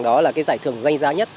đó là cái giải thưởng danh giá nhất